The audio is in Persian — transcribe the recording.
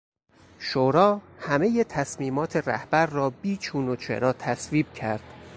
شورا همهی تصمیمات رهبر را بی چون و چرا تصویب کرد.